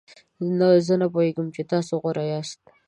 زه پوهیږم چې تاسو غوره یاست.